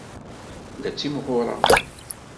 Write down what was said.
La ttimɣureɣ!